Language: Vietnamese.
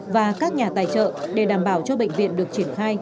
và các nhà tài trợ để đảm bảo cho bệnh viện được triển khai